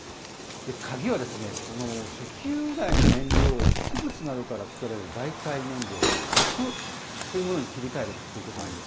鍵はこの石油由来の燃料を植物などから作られる代替燃料のＳＡＦというものに切り替えるということなんです。